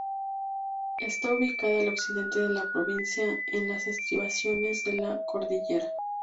Está ubicada al occidente de la provincia, en las estribaciones de la cordillera.